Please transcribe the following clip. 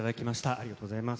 ありがとうございます。